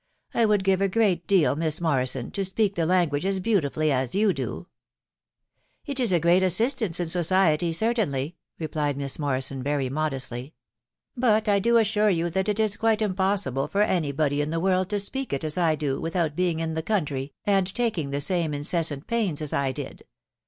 ••• I would give a great deal, Miss Morrison, to speak the lan guage as beautifully as you do !"" It is a great assistance in society, certainly," replied Miss Morrison, very modestly; "but I do assure you that it is quite impossible for an? body in the world to speak it as I do without being in the country, and taking the same incessant pains as I did.